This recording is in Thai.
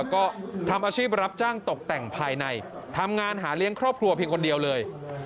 ก็ทำอาชีพรับจ้างตกแต่งภายในทำงานหาเลี้ยงครอบครัวเพียงคนเดียวเลย